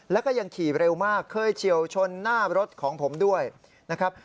แล้วก็ยังขี่เร็วมากเคยเฉียวชนหน้ารถของผมด้วยนะครับ